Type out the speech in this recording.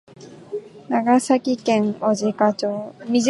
長崎県小値賀町